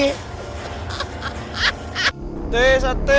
teh sateh sateh